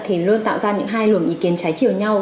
thì luôn tạo ra những hai luồng ý kiến trái chiều nhau